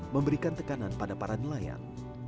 memberikan tekanan pada para nelayan